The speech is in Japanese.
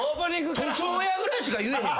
塗装屋ぐらいしか言えへん。